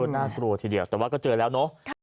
น่ากลัวทีเดียวแต่ว่าก็เจอแล้วเนอะ